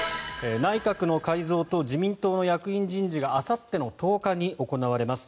内閣の改造と自民党の役員人事があさっての１０日に行われます。